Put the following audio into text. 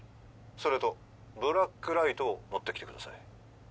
☎それとブラックライトを持ってきてください